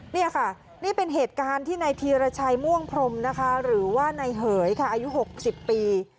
นี่เป็นเหตุการณ์ที่ในทีรชัยม่วงพรมหรือในเหยอายุ๖๐ปี